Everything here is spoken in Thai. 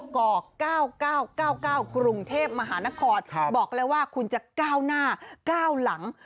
ก๙๙๙๙กรุงเทพมหานครบอกแล้วว่าคุณจะก้าวหน้า๙หลัง